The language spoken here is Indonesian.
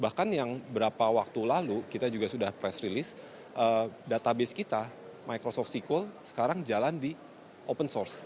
bahkan yang beberapa waktu lalu kita juga sudah press release database kita microsoft sequel sekarang jalan di open source